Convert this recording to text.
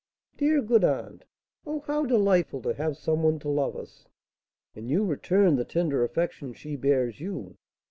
"Dear, good aunt! Oh, how delightful to have some one to love us!" "And you return the tender affection she bears you?"